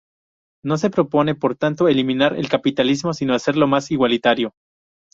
No se propone, por tanto, eliminar el capitalismo sino hacerlo más igualitario.